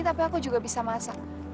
tapi aku juga bisa masak